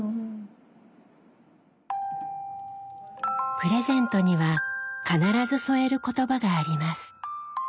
プレゼントには必ず添える言葉があります。